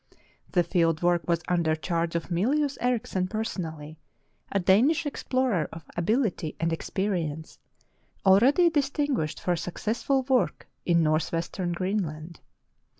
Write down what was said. The field work was under charge of Mylius Erichsen personally, a Danish explorer of abiUty and experi ence, already distinguished for successful work in northwestern Greenland.